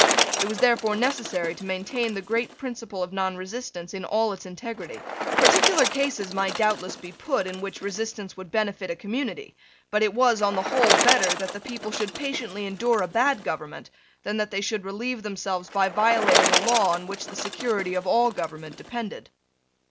It was therefore necessary to maintain the great principle of nonresistance in all its integrity. Particular cases might doubtless be put in which resistance would benefit a community: but it was, on the whole, better that the people should patiently endure a bad government than that they should relieve themselves by violating a law on which the security of all government depended.